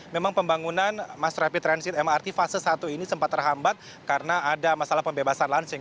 memang pembangunan mass rapid transit mrt fase satu ini sempat terhambat karena ada masalah pembebasan lansing